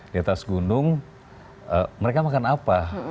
di atas gunung mereka makan apa